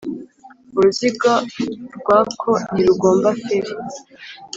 uruziga rwako ntirugomba feri.